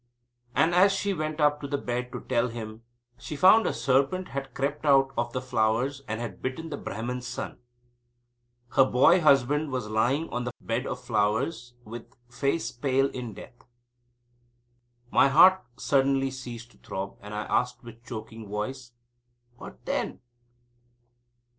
And as she went up to the bed to tell him she found a serpent had crept out of the flowers and had bitten the Brahman's son. Her boy husband was lying on the bed of flowers, with face pale in death. My heart suddenly ceased to throb, and I asked with choking voice: "What then?"